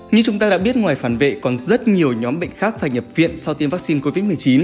như chúng ta đã biết ngoài phản vệ còn rất nhiều nhóm bệnh khác phải nhập viện sau tiêm vaccine covid một mươi chín